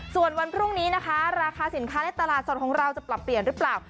ส่วนวันพรุ่งนี้นะคะราคาสินค้าในตลาดสดของเราจะปรับเปลี่ยนหรือเปล่า